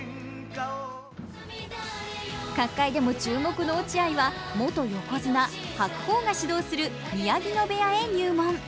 角界でも注目の落合は元横綱・白鵬が指導する宮城野部屋へ入門。